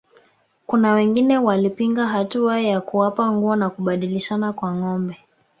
Kuna wengine walipinga hatua ya kuwapa nguo na kubadilishana kwa ngombe